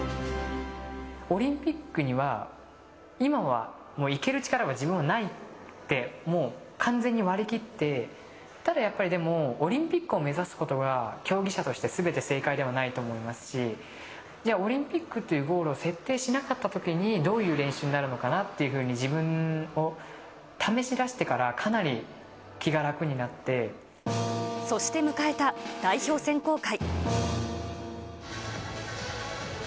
オリンピックには、今はもう行ける力は自分はないって、もう完全に割り切って、ただやっぱり、でもオリンピックを目指すことが競技者としてすべて正解ではないと思いますし、じゃあ、オリンピックっていうゴールを設定しなかったときに、どういう練習になるのかなっていうふうに自分を試しだしてからかそして迎えた代表選考会。